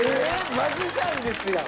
マジシャンですやん。